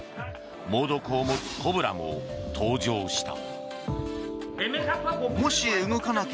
猛毒を持つコブラも登場した。